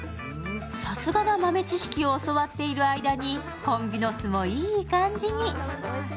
さすがな豆知識を教わっている間にホンビノスもいい感じに。